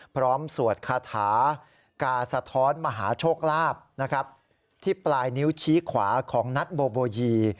พร้อมสวดคาถากาสะท้อนมหาโชคลาภที่ปลายนิ้วชี้ขวาของนัสโบโบยี